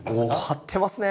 張ってますね。